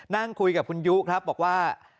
นั่งคุยกับคุณยุครับบอกว่า